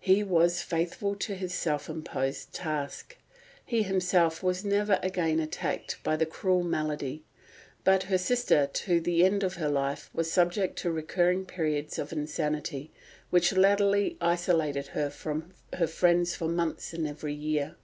He was faithful to his self imposed task. He himself was never again attacked by the cruel malady, but his sister to the end of her life was subject to recurring periods of insanity, which latterly isolated her from her friends for months in every year.